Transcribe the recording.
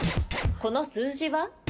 この数字は？